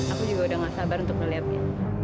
aku juga udah gak sabar untuk melihatnya